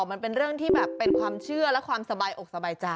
มันเป็นเรื่องที่แบบเป็นความเชื่อและความสบายอกสบายใจ